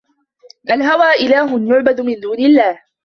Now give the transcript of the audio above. الْهَوَى إلَهٌ يُعْبَدُ مِنْ دُونِ اللَّهِ